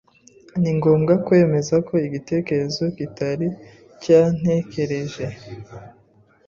Ningomba kwemeza ko igitekerezo kitari cyantekereje.